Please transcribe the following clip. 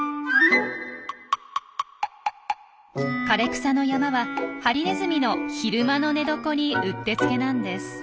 枯れ草の山はハリネズミの昼間の寝床にうってつけなんです。